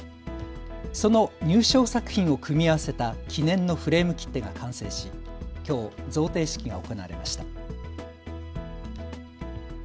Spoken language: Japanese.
その入賞作品を組み合わせた記念のフレーム切手が完成しきょう贈呈式が行われました。